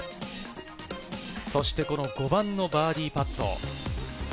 そして５番のバーディーパット。